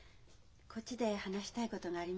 こっちで話したいことがありますので。